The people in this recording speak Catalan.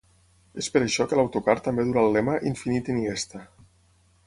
És per això que l’autocar també durà el lema ‘infinit Iniesta’.